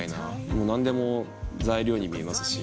もうなんでも材料に見えますし。